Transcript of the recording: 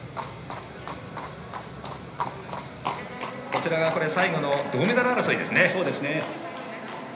こちらが最後の銅メダル争い。